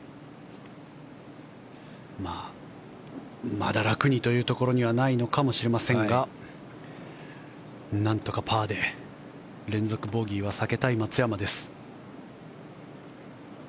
まだ楽にというところにはないのかもしれませんがなんとかパーで連続ボギーは避けたい松山です。